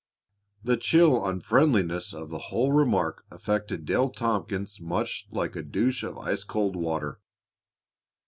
The chill unfriendliness of the whole remark affected Dale Tompkins much like a douche of ice cold water.